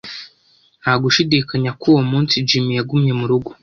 Nta gushidikanya ko uwo munsi Jim yagumye mu rugo.